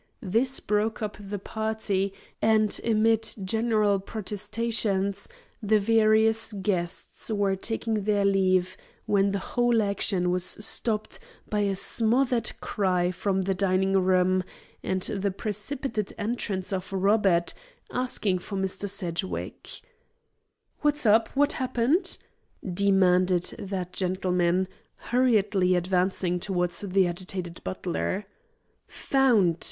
This broke up the party, and amid general protestations the various guests were taking their leave when the whole action was stopped by a smothered cry from the dining room, and the precipitate entrance of Robert, asking for Mr. Sedgwick. "What's up? What's happened?" demanded that gentleman, hurriedly advancing towards the agitated butler. "Found!"